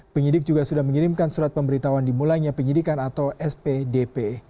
penyidik juga sudah mengirimkan surat pemberitahuan dimulainya penyidikan atau spdp